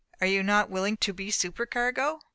Are you not willing to be supercargo?"